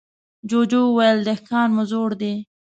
جوجو وويل: دهقان مو زوړ دی.